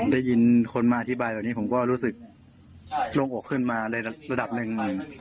ได้ยินคนมาอธิบายแบบนี้ผมก็รู้สึกโล่งอกขึ้นมาในระดับหนึ่ง